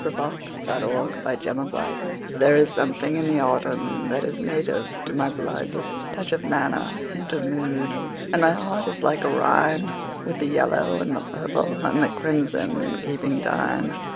Bliss Carman A Vagabond Song THERE is something in the autumn that is native to my blood—Touch of manner, hint of mood; And my heart is like a rhyme, With the yellow and the purple and the crimson keeping time.